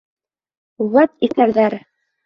Вәт иҫәрҙәр!..